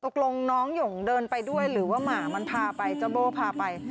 ตกลงน้องหย่งเดินไปด้วยหรือว่าหมามันพาไปเจ้าโบ้พาไป